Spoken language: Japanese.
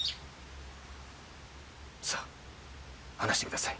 さあ話してください。